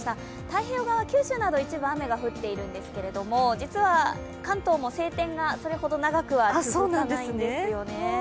太平洋側、九州など、一部雨が降っているんですが、実は関東も晴天がそれほど長くは続かないんですよね。